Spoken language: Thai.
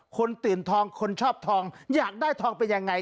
คนตื่นทองคนชอบทองอยากได้ทองเป็นยังไง